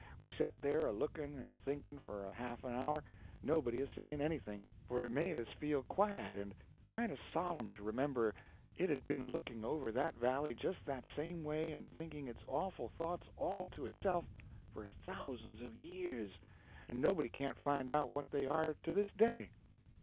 We set there a looking and a thinking for a half an hour, nobody a saying anything, for it made us feel quiet and kind of solemn to remember it had been looking over that valley just that same way, and thinking its awful thoughts all to itself for thousands of years, and nobody can't find out what they are to this day.